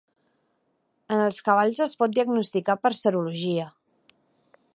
En els cavalls es pot diagnosticar per serologia.